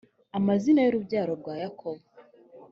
amazina y urubyaro rwa yakobo